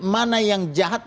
mana yang jahat